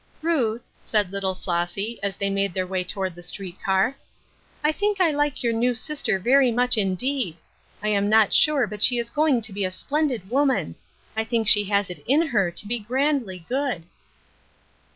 " Ruth," said little Flossy, as they made theii way toward the street car. " I think I like your new sister very much, indeed. I am not sure but she is going to be a splendid woman. I think she has it in her to be grandly good."